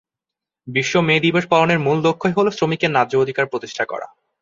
বিশ্ব মে দিবস পালনের মূল লক্ষ্যই হলো শ্রমিকের ন্যায্য অধিকার প্রতিষ্ঠা করা।